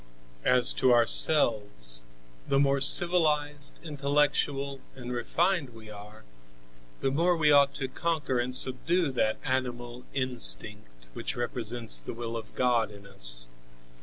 "As to ourselves, the more civilized, intellectual and refined we are, the more we ought to conquer and subdue that animal instinct, which represents the will of God in us.